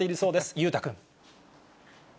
裕太君。